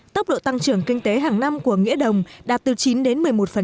tốc độ tăng trưởng kinh tế hàng năm của nghĩa đồng đạt từ chín đến một mươi một